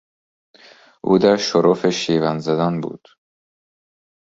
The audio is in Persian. او در شرف شیون زدن بود.